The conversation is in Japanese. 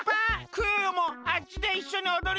クヨヨもあっちでいっしょにおどりたい！